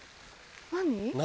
何？